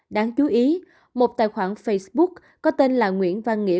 đáng chú ý một tài khoản facebook có tên là nguyễn văn nghĩa